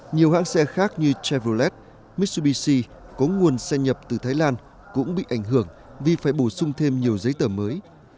nhiều hãng xe khác như travellet mitsubishi có nguồn xe nhập từ thái lan cũng bị ảnh hưởng vì phải bổ sung thêm nhiều giấy tờ mới